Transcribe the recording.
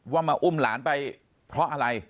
ว่ามาอุ้มหลานไปเพราะอะไร